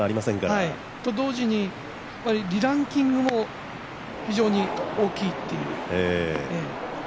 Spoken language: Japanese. それと同時にリランキングも非常に大きいという。